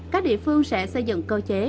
các địa phương sẽ xây dựng cơ chế